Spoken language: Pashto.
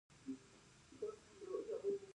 آیا د پښتنو په کلتور کې د اودس تازه ساتل ښه نه دي؟